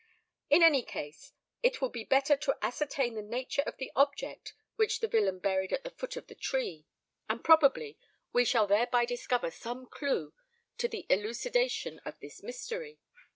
In any case it will be better to ascertain the nature of the object which the villain buried at the foot of the tree; and probably we shall thereby discover some clue to the elucidation of this mystery.